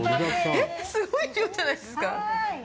えっ、すごい量じゃないですか？